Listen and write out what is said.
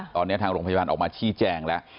ตอนนี้ทางโรงพยาบาลออกมาชี้แจงแล้ว